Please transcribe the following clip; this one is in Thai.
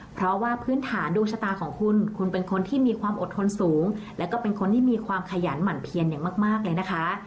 เพราะว่าพื้นฐานดวงชะตาของคุณคุณเป็นคนที่มีความอดทนสูงแล้วก็เป็นคนที่มีความขยันหมั่นเพียนอย่างมากเลยนะคะ